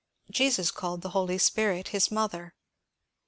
Jesus called the Holy Spirit his ^^ Mother."